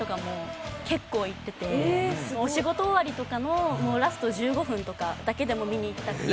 お仕事終わりとかのラスト１５分とかだけでも見に行きたくて。